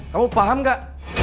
kamu paham gak